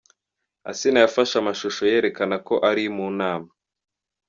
Asinah yafashe amashusho yerekana ko ari mu nama.